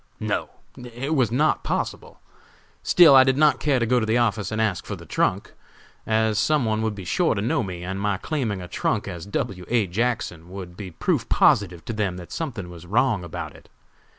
No! it was not possible! Still, I did not care to go to the office and ask for the trunk, as some one would be sure to know me, and my claiming a trunk as W. A. Jackson would be proof positive to them that something was wrong about it.